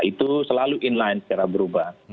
itu selalu inline secara berubah